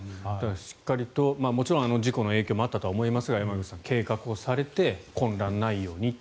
しっかりともちろんあの事故の影響もあったと思いますが山口さん、計画をされて混乱がないようにと。